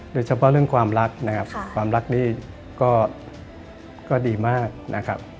โดยเฉพาะเรื่องความรักนะครับความรักนี่ก็ดีมากนะครับ